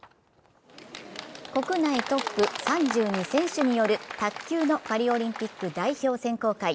国内トップ３２選手による卓球のパリオリンピック代表選考会。